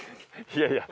いやいや。